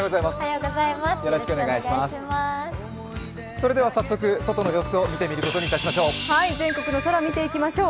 それでは早速、外の様子を見てみることにいたしましょう。